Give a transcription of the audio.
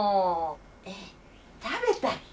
えっ食べたっけ？